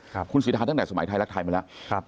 คุณศิริษฐานตั้งแต่สมัยไทยรักไทยมาแล้ว